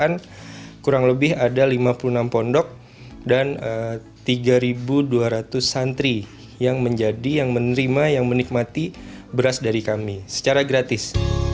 dan kurang lebih ada lima puluh enam pondok dan tiga dua ratus santri yang menjadi yang menerima yang menikmati beras dari kami secara gratis